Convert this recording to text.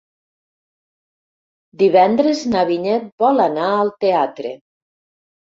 Divendres na Vinyet vol anar al teatre.